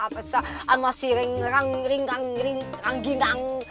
apa kata dunia kalau gue sampai kalah